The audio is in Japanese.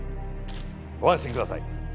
ご安心ください。